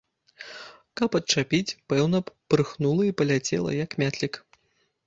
Каб адчапіць, пэўна б, пырхнула і паляцела, як мятлік.